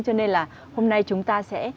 cho nên là hôm nay chúng ta sẽ